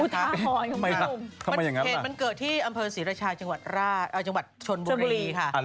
ทำไมครับเหตุมันเกิดที่อำเภอศรีรชาจังหวัดชนบุรีค่ะ